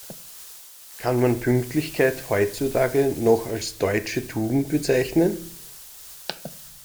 Kann man Pünktlichkeit heutzutage noch als deutsche Tugend bezeichnen?